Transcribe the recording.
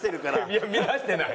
いや乱してない！